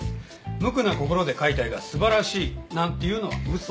無垢な心で描いた絵が素晴らしいなんていうのは嘘。